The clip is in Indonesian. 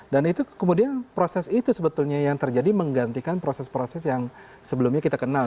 dan itu kemudian proses itu sebetulnya yang terjadi menggantikan proses proses yang sebelumnya kita kenal